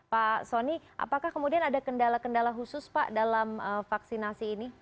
pak soni apakah kemudian ada kendala kendala khusus pak dalam vaksinasi ini